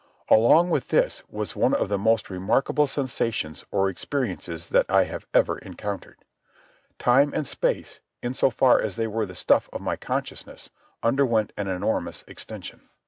Along with this was one of the most remarkable sensations or experiences that I have ever encountered. Time and space, in so far as they were the stuff of my consciousness, underwent an enormous extension.